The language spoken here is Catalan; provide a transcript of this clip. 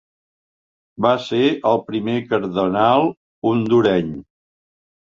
Va ser el primer cardenal hondureny.